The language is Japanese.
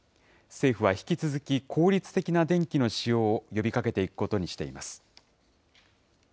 政府は引き続き、効率的な電気の使用を呼びかけていくことにしています。